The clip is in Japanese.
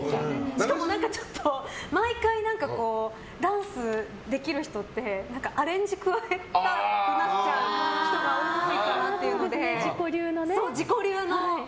しかも毎回ダンスできる人ってアレンジを加えたくなっちゃう人が自己流のね。